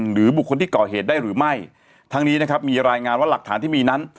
หรือบุคคลที่ก่อเหตุได้หรือไม่ทั้งนี้นะครับมีรายงานว่าหลักฐานที่มีนั้น